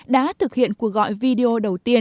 đã thực hiện cuộc gọi video đầu tiên